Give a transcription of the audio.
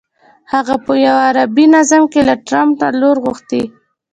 هغه په یوه عربي نظم کې له ټرمپ نه لور غوښتې.